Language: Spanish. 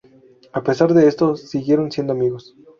A pesar de esto, siguieron siendo amigos.